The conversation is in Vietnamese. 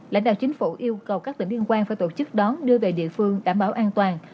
lãnh đạo chính phủ yêu cầu các tỉnh liên quan phải tổ chức đón đưa về địa phương đảm bảo an toàn